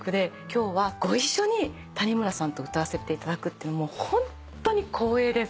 今日はご一緒に谷村さんと歌わせていただくってホントに光栄です。